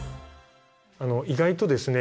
意外とですね